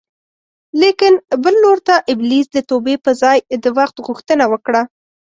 لاکن بل لور ته ابلیس د توبې په ځای د وخت غوښتنه وکړه